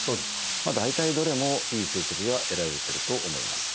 大体どれもいい成績が得られてると思います。